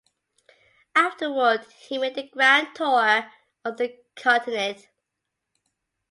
Afterward he made the Grand Tour of the Continent.